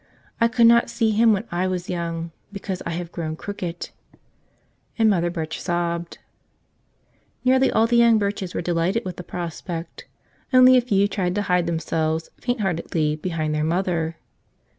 I could not see Him when I was young, because I have grown crooked." And Mother Birch sobbed. Nearly all the young Birches were delighted with the prospect; only a few tried to hide themselves, faint¬ heartedly, behind their mother.